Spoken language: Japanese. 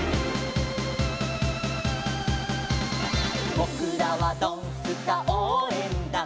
「ぼくらはドンスカおうえんだん」